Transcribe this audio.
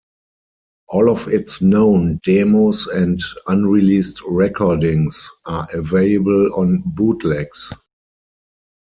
All of its known demos and unreleased recordings are available on bootlegs.